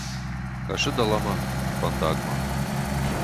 Кӕсы дӕлӕмӕ, фӕндагмӕ.